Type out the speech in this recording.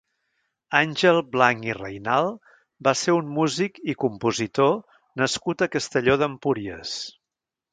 Àngel Blanch i Reynalt va ser un músic i compositor nascut a Castelló d'Empúries.